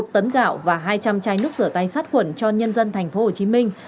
một tấn gạo và hai trăm linh chai nước rửa tay sát khuẩn cho nhân dân thành phố hồ chí minh